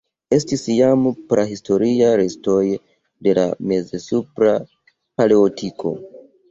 Estis jam prahistoriaj restoj de la mez-supra Paleolitiko.